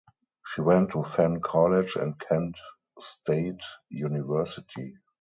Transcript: She went to Fenn College and Kent State University.